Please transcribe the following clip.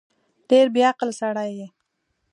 ډېر بیعقل سړی یې